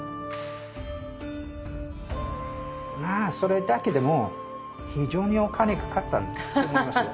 まあそれだけでも非常にお金かかったと思いますよ